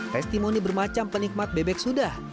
testimoni bermacam penikmat bebek sudah